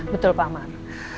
betul pak amar